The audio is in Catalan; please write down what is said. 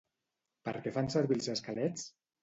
Per què fan servir els esquelets?